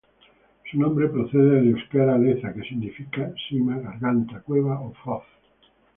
Su nombre procede del euskera "Leza" que significa sima, garganta, cueva o foz.